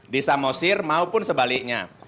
di samosir maupun sebaliknya